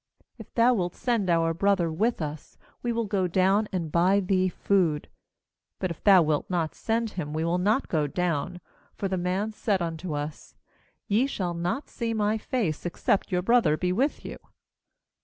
4If thou wilt send our brother with us, we will go down and buy thee food; 5but 2 thou wilt not send him, we will not go down, for the man said unto us: Ye shall not see my face, except your brother be with you.'